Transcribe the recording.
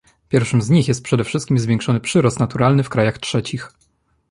Pierwszym z nich jest przede wszystkim zwiększony przyrost naturalny w krajach trzecich